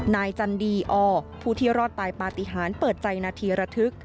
จันดีอผู้ที่รอดตายปฏิหารเปิดใจนาทีระทึก